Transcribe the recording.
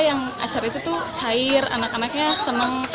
yang acara itu tuh cair anak anaknya senang